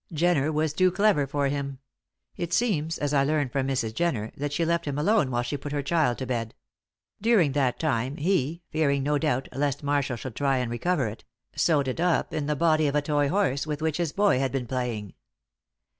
Jenner was too clever for him; it seems, as I learn from Mrs. Jenner, that she left him alone while she put her child to bed. During that time he fearing, no doubt, lest Marshall should try and recover it sewed it up in the body of a toy horse with which his boy had been playing.